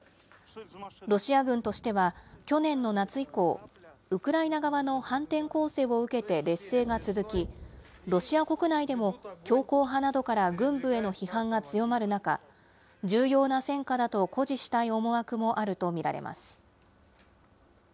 ロシア軍としては、去年の夏以降、ウクライナ側の反転攻勢を受けて劣勢が続き、ロシア国内でも強硬派などから軍部への批判が強まる中、重要な戦果だと誇示したい思惑もあると見られます。